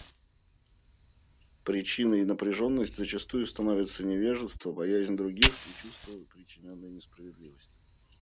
Причиной напряженность зачастую становятся невежество, боязнь других и чувство причиненной несправедливости.